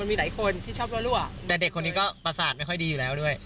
มีหลายคนที่ชอบรั่วแต่เด็กคนนี้ก็ประสาทไม่ค่อยดีอยู่แล้วด้วย